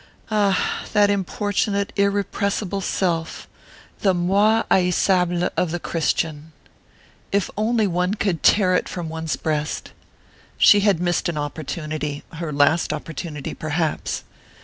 Ah, that importunate, irrepressible self the moi haïssable of the Christian if only one could tear it from one's breast! She had missed an opportunity her last opportunity perhaps!